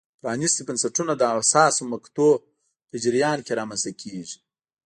پرانیستي بنسټونه د حساسو مقطعو په جریان کې رامنځته کېږي.